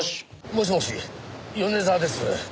もしもし米沢です。